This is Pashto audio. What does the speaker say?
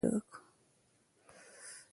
رييس صاحب او همکارانو تود هرکلی وکړ.